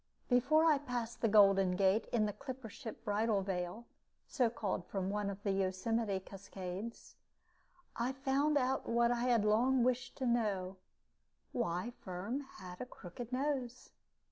Before I passed the Golden Gate in the clipper ship Bridal Veil (so called from one of the Yosemite cascades) I found out what I had long wished to know why Firm had a crooked nose.